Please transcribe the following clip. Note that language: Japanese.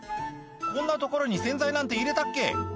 「こんな所に洗剤なんて入れたっけ？」